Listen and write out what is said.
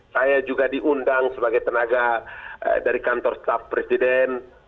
saya juga diundang sebagai tenaga dari kantor staf presiden